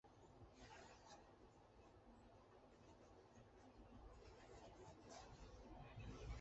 基山停车区是位于佐贺县三养基郡基山町与福冈县筑紫野市的九州自动车道之休息区。